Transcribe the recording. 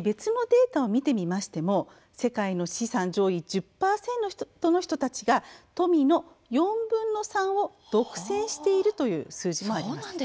別のデータを見てみましても世界の資産上位１０％の人たちが富の４分の３を独占しているという数字もあります。